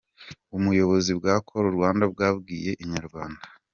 Ubuyobozi bwa Call Rwanda bwabwiye Inyarwanda.